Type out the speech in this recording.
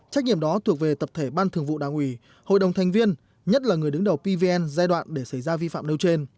trách nhiệm đó thuộc về tập thể ban thường vụ đảng ủy hội đồng thành viên nhất là người đứng đầu pvn giai đoạn để xảy ra vi phạm nêu trên